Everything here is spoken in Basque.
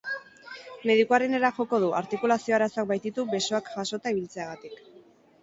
Medikuarenera joko du, artikulazio-arazoak baititu besoak jasota ibiltzeagatik.